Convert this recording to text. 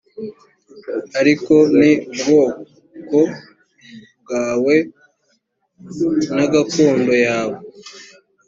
ariko ni ubwoko bwawe na gakondo yawe